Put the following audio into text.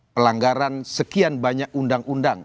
pelanggaran sekian banyak undang undang